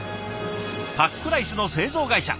パックライスの製造会社。